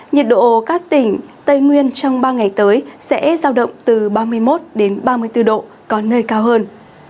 nhiệt độ các tỉnh tây nguyên trong ba ngày tới sẽ giao động từ ba mươi một ba mươi bốn độ có nơi cao hơn